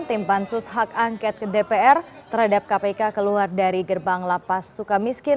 tim pansus hak angket ke dpr terhadap kpk keluar dari gerbang lapa sukamiskin